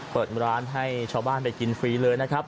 เปิดร้านให้ชาวบ้านไปกินฟรีเลยนะครับ